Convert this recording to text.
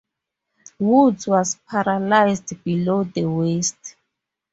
Woods was paralysed below the waist.